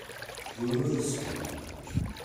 Yiwen ur isseqneɛ.